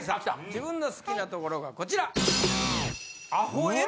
自分の好きなところがこちら！